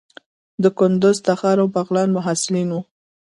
د کندوز، تخار او بغلان محصلین وو.